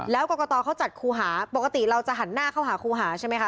แล้วกรกตเขาจัดครูหาปกติเราจะหันหน้าเข้าหาครูหาใช่ไหมคะ